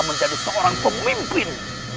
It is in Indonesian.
menjadi seorang pemimpin